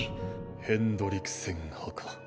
ヘンドリクセン派か。